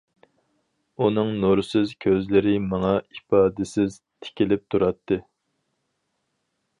ئۇنىڭ نۇرسىز كۆزلىرى ماڭا ئىپادىسىز تىكىلىپ تۇراتتى.